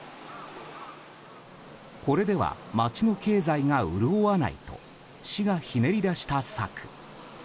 これでは街の経済が潤わないと市がひねり出した策。